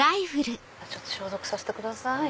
消毒させてください。